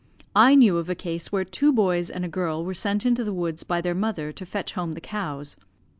I knew of a case where two boys and a girl were sent into the woods by their mother to fetch home the cows.